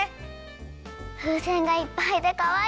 ふうせんがいっぱいでかわいい！